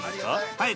◆はい。